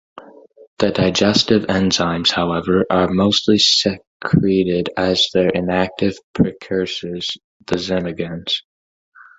The digestive enzymes however are mostly secreted as their inactive precursors, the zymogens.